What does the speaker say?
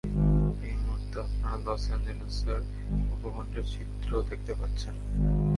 এই মুহূর্তে আপনারা লস অ্যাঞ্জেলসের উপকন্ঠের চিত্র দেখতে পাচ্ছেন।